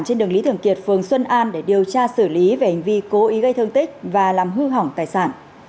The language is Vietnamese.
trên đường lý thường kiệt phường xuân an để điều tra xử lý về hành vi cố ý gây thương tích và làm hư hỏng tài sản